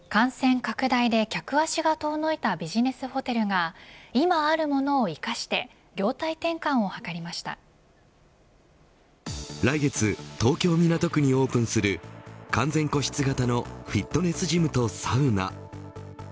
感染拡大で客足が遠のいたビジネスホテルが今あるものを生かして来月東京、港区にオープンする完全個室型のフィットネスジムとサウナ。